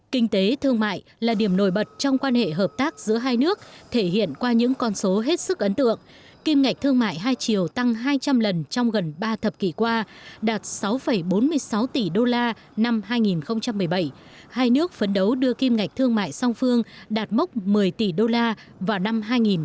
kinh tế thương mại là điểm nổi bật trong quan hệ hợp tác giữa hai nước thể hiện qua những con số hết sức ấn tượng kim ngạch thương mại hai chiều tăng hai trăm linh lần trong gần ba thập kỷ qua đạt sáu bốn mươi sáu tỷ đô la năm hai nghìn một mươi bảy hai nước phấn đấu đưa kim ngạch thương mại song phương đạt mốc một mươi tỷ đô la vào năm hai nghìn một mươi năm